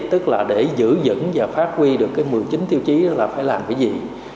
tức là để giữ dững và phát huy được cái một mươi chín tiêu chí là phải làm cái gì